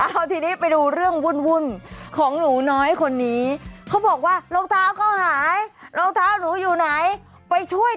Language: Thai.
หาไม่เจอแม่บอกให้นอนกลางวันหารองเท้าอีกครั้งไม่เจอ